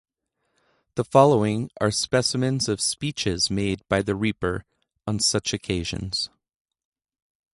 The following are specimens of speeches made by the reaper on such occasions.